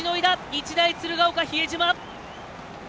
日大鶴ヶ丘、比江島！